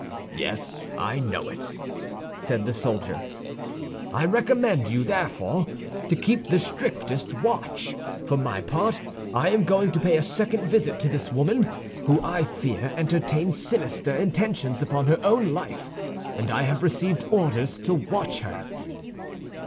"Yes, I know it," said the soldier. "I recommend you therefore to keep the strictest watch. For my part I am going to pay a second visit to this woman, who I fear entertains sinister intentions upon her own life, and I have received orders to watch her."